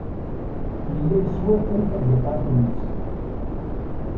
Yella yeswatay tagiṭart-nnes.